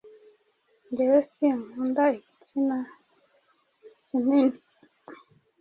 Njyewe si nkunga igitsina kinini,